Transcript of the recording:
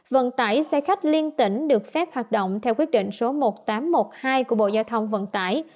vận tải xe khách liên tỉnh được phép hoạt động theo quyết định số một nghìn tám trăm một mươi hai của bộ giao thông vận tải